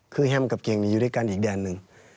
คือแฮมกับเก่งอยู่ด้วยกันอีกแดนหนึ่ง